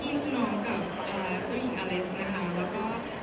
เสียงปลดมือจังกัน